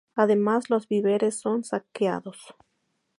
Además los víveres son saqueados.